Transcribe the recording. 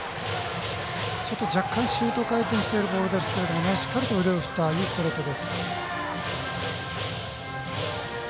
若干シュート回転しているボールですけどしっかりと腕を振ったストレートです。